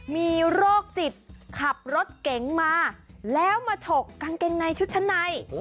มีโรคจิตขับรถเก๋งมาแล้วมาฉกกางเกงในชุดชั้นใน